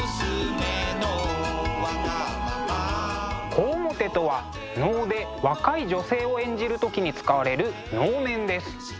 小面とは能で若い女性を演じる時に使われる能面です。